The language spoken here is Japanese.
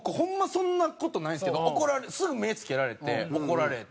そんな事ないんですけどすぐ目を付けられて怒られて。